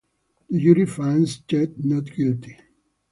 The jury finds Chet not guilty.